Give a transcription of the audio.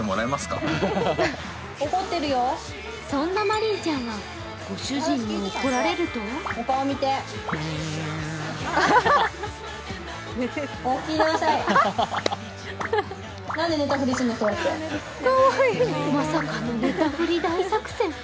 そんなマリンちゃんはご主人に怒られるとまさかの寝たふり大作戦。